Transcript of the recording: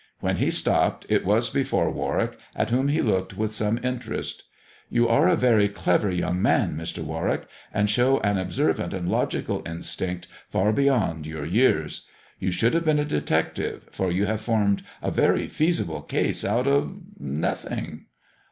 When he stopped, it was before Warwick, at whom he looked with some interest. " You are a very clever young man, Mr. Warwick, and show an observant and logical instinct far beyond your years. You should have been a detective, for you have formed a very feasible case out of — nothing."